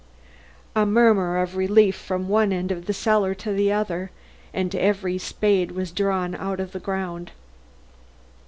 A murmur of relief from one end of the cellar to the other, and every spade was drawn out of the ground.